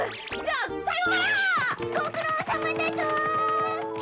ごくろうさまだぞ！